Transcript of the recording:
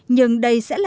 nhưng đây sẽ là lời nói